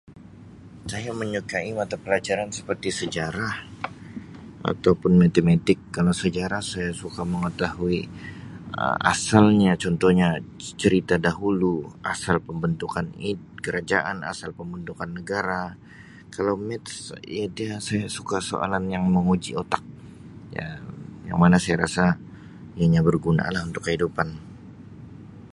Saya menyukai mata pelajaran seperti sejarah ataupun matematik kalau sejarah saya suka mengetahu asalnya contohnya cerita dahulu asal pembentukan kerajaan asal pemebentukan negara kalau math ni dia saya suka soalan yang menguji otak yang yang mana saya rasa ianya berguna lah untuk kehidupan.